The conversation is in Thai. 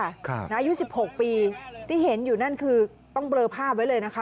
อายุ๑๖ปีที่เห็นอยู่นั่นคือต้องเบลอภาพไว้เลยนะคะ